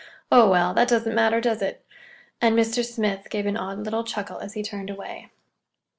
"Oh, well, that doesn't matter, does it?" And Mr. Smith gave an odd little chuckle as he turned away.